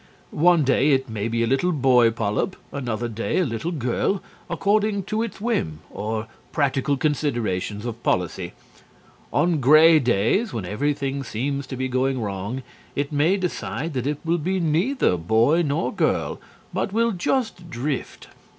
One day it may be a little boy polyp, another day a little girl, according to its whim or practical considerations of policy. On gray days, when everything seems to be going wrong, it may decide that it will be neither boy nor girl but will just drift.